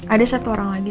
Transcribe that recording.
ada satu orang lagi